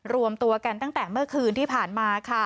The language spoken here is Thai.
รวมตัวกันตั้งแต่เมื่อคืนที่ผ่านมาค่ะ